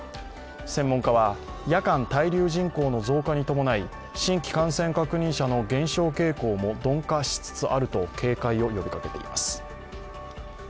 専門家は、夜間滞留人口の増加に伴い新規感染確認者の減少傾向も鈍化しつつあると警戒を呼びかけています。